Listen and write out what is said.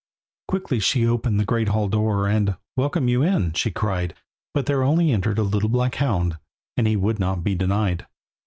Quickly she opened the great hall door, And "Welcome you in," she cried, But there only entered a little black hound, And he would not be denied.